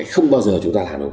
không bao giờ chúng ta làm được